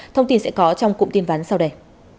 thông tin sẽ có trong cụm tin vắn sau đây